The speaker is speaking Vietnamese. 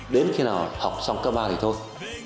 đến khi nào học xong cơ ba thì thôi